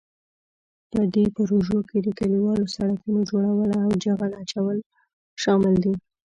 په دې پروژو کې د کلیوالي سړکونو جوړول او جغل اچول شامل دي.